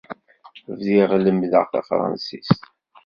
Bdiɣ lemmdeɣ tafransist.